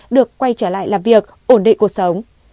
được quay trở lại làm việc ổn định cuộc sống